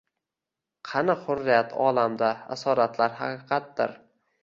Qani hurriyat olamda asoratlar haqiqatdir